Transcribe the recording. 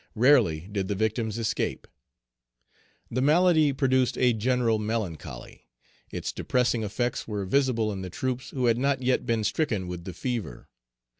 Rarely did the victims escape. The malady produced a general melancholy. Its depressing effects were visible in the troops who had not yet been stricken with the fever.